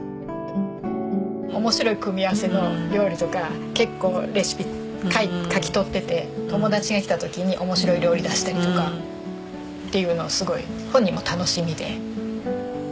面白い組み合わせの料理とか結構レシピ書き取ってて友達が来た時に面白い料理出したりとかっていうのをすごい本人も楽しみで。